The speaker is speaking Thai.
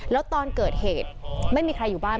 แล้วตอนเกิดเหตุไม่มีใครอยู่บ้าน